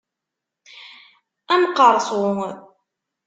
Amqeṛṣu!